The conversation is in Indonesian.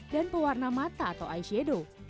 dan pewarna mata atau eyeshadow